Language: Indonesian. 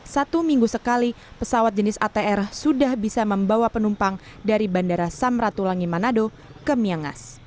satu minggu sekali pesawat jenis atr sudah bisa membawa penumpang dari bandara samratulangi manado ke miangas